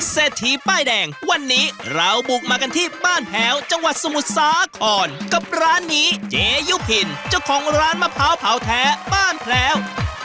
เศรษฐีป้ายแดงวันนี้เราบุกมากันที่บ้านแพ้วจังหวัดสมุทรสาครกับร้านนี้เจยุพินเจ้าของร้านมะพร้าวเผาแท้บ้านแพลว